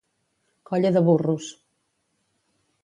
Colla de burros.